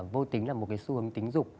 vô tính là một cái xu hướng tình dục